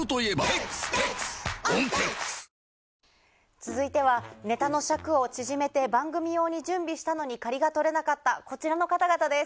続いてはネタの尺を縮めて番組用に準備したのに仮がとれなかったこちらの方々です。